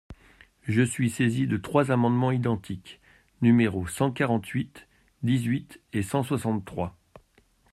Je suis saisie de trois amendements identiques, numéros cent quarante-huit, dix-huit et cent soixante-trois.